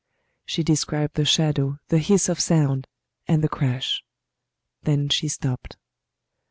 She described the shadow, the hiss of sound, and the crash. Then she stopped.